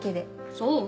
そう？